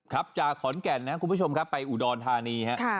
ครับจากขอนแก่นนะครับคุณผู้ชมครับไปอุดรธานีฮะ